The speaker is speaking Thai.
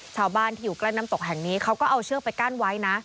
ชาวบ้านที่อยู่ใกล้น้ำตกแห่งนี้เขาก็เอาเชือกไปกั้นไว้นะ